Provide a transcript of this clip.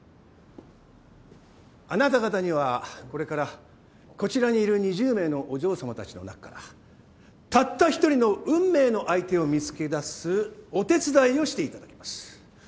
あなた方にはこれからこちらにいる２０名のお嬢様たちの中からたった１人の運命の相手を見つけ出すお手伝いをしていただきます。